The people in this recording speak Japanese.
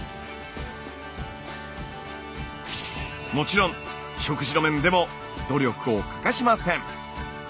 もちろん食事の面でも努力を欠かしません。